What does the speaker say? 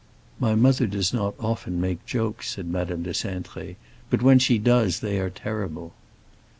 "My mother does not often make jokes," said Madame de Cintré; "but when she does they are terrible."